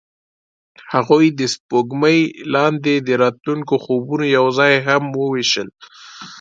هغوی د سپوږمۍ لاندې د راتلونکي خوبونه یوځای هم وویشل.